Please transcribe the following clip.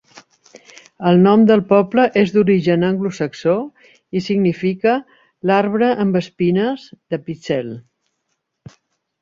El nom del poble és d'origen anglosaxó i significa "l'arbre amb espines de Picel".